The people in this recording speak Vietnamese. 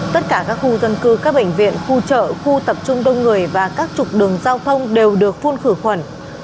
tất cả các khu dân cư các bệnh viện khu chợ khu tập trung đông người và các trục đường giao thông đều được phun khử khuẩn